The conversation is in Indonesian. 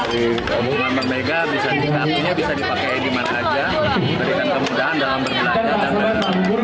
di tabungan bank mega bisa dipakai bagaimana saja